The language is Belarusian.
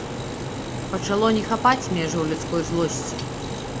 Пачало не хапаць межаў людской злосці.